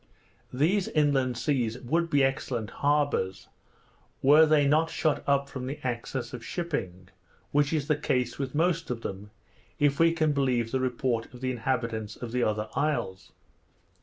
These inland seas would be excellent harbours, were they not shut up from the access of shipping, which is the case with most of them, if we can believe the report of the inhabitants of the other isles.